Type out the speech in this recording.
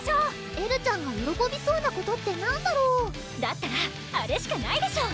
エルちゃんがよろこびそうなことって何だろうだったらあれしかないでしょう